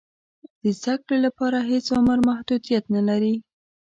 د زده کړې لپاره هېڅ عمر محدودیت نه لري.